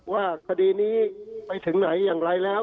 ว่าคดีนี้ไปถึงไหนอย่างไรแล้ว